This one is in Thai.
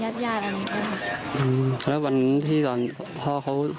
ไม่ได้พูดอะไรไม่ได้หวังว่าถ้าพูดได้โดนลูกก็โดนลูก